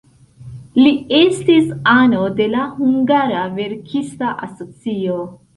Li estis ano de la hungara verkista asocio.